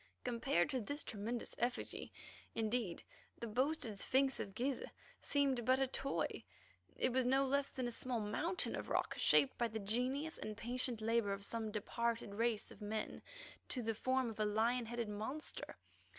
Compared to this tremendous effigy indeed, the boasted Sphinx of Gizeh seemed but a toy. It was no less than a small mountain of rock shaped by the genius and patient labour of some departed race of men to the form of a lion headed monster.